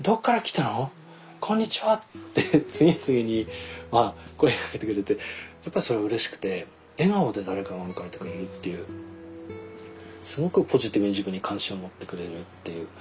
「こんにちは」って次々に声かけてくれてやっぱりそれうれしくて笑顔で誰かが迎えてくれるっていうすごくポジティブに自分に関心を持ってくれるっていう。